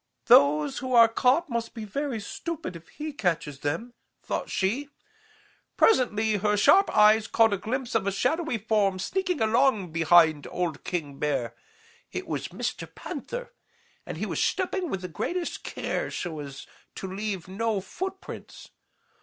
Those who are caught must be very stupid if he catches them,' thought she. Presently her sharp eyes caught a glimpse of a shadowy form sneaking along behind old King Bear. It was Mr. Panther, and he was stepping with the greatest care so as to leave no footprints.